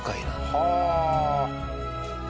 はあ。